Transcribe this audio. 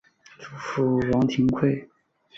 祖父王庭槐。